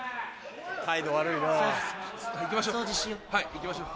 行きましょう。